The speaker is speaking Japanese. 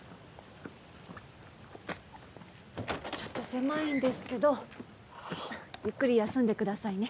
ちょっと狭いんですけどゆっくり休んでくださいね。